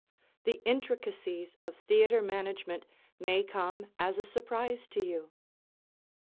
The intricacies of theatre management may come as a surprise to you.